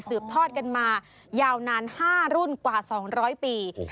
ทอดกันมายาวนาน๕รุ่นกว่า๒๐๐ปี